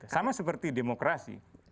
sama seperti demokrasi